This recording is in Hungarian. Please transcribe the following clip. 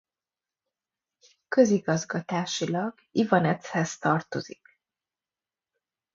Közigazgatásilag Ivanechez tartozik.